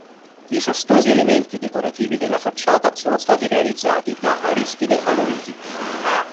I fastosi elementi decorativi della facciata sono stati realizzati da Aristide Aloisi.